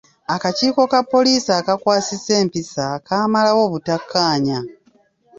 Akakiiko ka poliisi akakwasisa empisa kaamalawo obutakkaanya.